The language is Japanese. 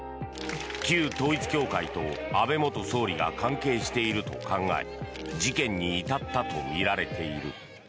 旧統一教会と安倍元総理が関係していると考え事件に至ったとみられている。